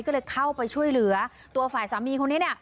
ก็เลยเข้าไปช่วยเหลือตัวฝ่ายสามีคนนี้เนี่ย